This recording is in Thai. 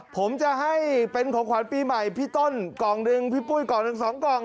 ผมจะให้เป็นของขวัญปีใหม่พี่ต้นกล่องหนึ่งพี่ปุ้ยกล่องหนึ่งสองกล่อง